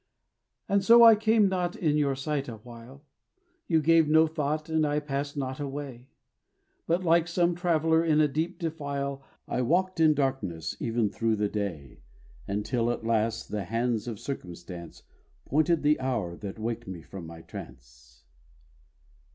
And so I came not in your sight awhile, You gave no thought, and I passed not away; But like some traveller in a deep defile I walked in darkness even through the day: Until at last the hands of Circumstance Pointed the hour that waked me from my trance.